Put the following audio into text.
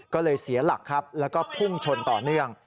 ก็เลยเสียหลักครับแล้วก็พุ่งชนต่อเนื่อง